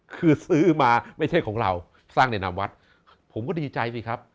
คือซื้อมาไม่ใช่ของเราสร้างในนามวัดผมก็ดีใจสิครับ